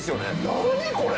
何これ？